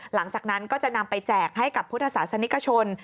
หลังจากนั้นก็จะนำไปแจกให้กับพุทธศาสนิกชน